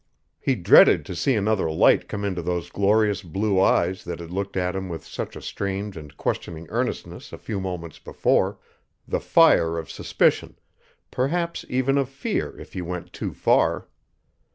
He dreaded to see another light come into those glorious blue eyes that had looked at him with such a strange and questioning earnestness a few moments before the fire of suspicion, perhaps even of fear if he went too far.